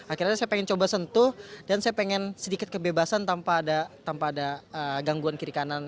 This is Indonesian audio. akhirnya saya pengen coba sentuh dan saya pengen sedikit kebebasan tanpa ada gangguan kiri kanan